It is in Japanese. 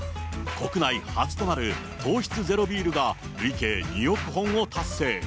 国内初となる糖質ゼロビールが、累計２億本を達成。